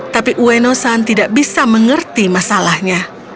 tapi ueno san tidak bisa mengerti masalahnya